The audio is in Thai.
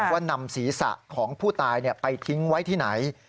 ว่านำศีรษะของผู้ตายไปทิ้งไว้ที่ไหน